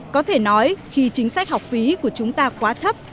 có thể nói khi chính sách học phí của chúng ta quá thấp